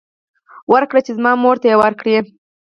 ورکړ چې زما مور ته يې ورکړي.